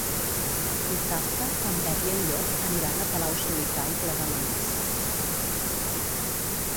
Dissabte en Pep i en Llop aniran a Palau-solità i Plegamans.